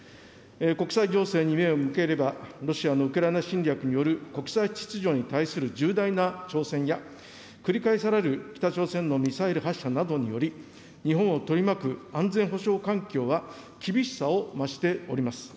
国際情勢に目を向ければ、ロシアのウクライナ侵略による国際秩序に対する重大な挑戦や、繰り返される北朝鮮のミサイル発射などにより、日本を取り巻く安全保障環境は、厳しさを増しております。